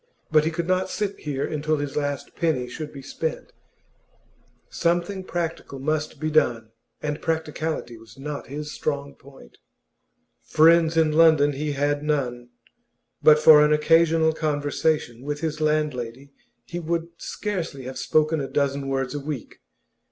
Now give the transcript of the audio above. But he could not sit here until his last penny should be spent. Something practical must be done, and practicality was not his strong point. Friends in London he had none; but for an occasional conversation with his landlady he would scarcely have spoken a dozen words in a week.